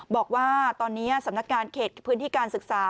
บอกว่าตอนนี้สำนักงานเขตพื้นที่การศึกษา